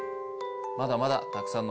まだまだたくさんの